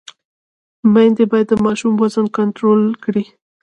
میندې باید د ماشوم وزن کنټرول کړي۔